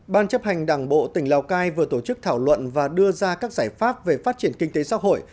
ban chấp hành đảng bộ tỉnh lào cai vừa tổ chức thảo luận và đưa ra các giải pháp về phát triển kinh tế xã hội